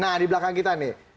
nah di belakang kita nih